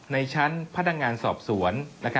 ในชั้นพนักงานสอบสวน